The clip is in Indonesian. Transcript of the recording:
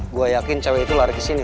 gua yakin cewek itu lari disini